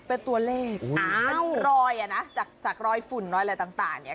เป็นตัวเลขเป็นรอยนะจากรอยฝุ่นอะไรต่าง